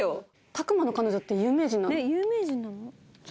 拓真の彼女って有名人なの？